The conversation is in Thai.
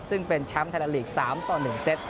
ซึ่งเป็นแชมป์ไทยแลนลีก๓ต่อ๑เซต